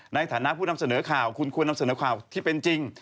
ในฐานะผู้นำเสนอข่าวคุณควรนำเสนอข่าวที่เป็นจริง